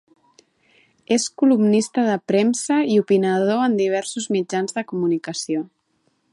És columnista de premsa i opinador en diversos mitjans de comunicació.